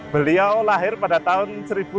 beliau lahir pada tahun seribu sembilan ratus delapan puluh